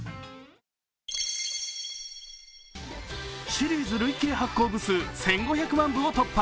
シリーズ累計発行部数１５００万部を突破